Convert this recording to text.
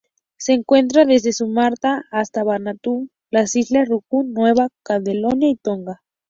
Se encuentra desde Sumatra hasta Vanuatu, las Islas Ryukyu, Nueva Caledonia y Tonga.